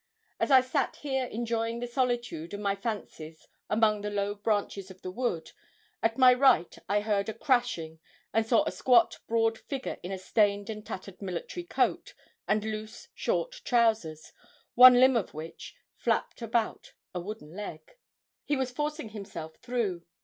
As I sat here enjoying the solitude and my fancies among the low branches of the wood, at my right I heard a crashing, and saw a squat broad figure in a stained and tattered military coat, and loose short trousers, one limb of which flapped about a wooden leg. He was forcing himself through.